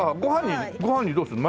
ご飯にどうするの？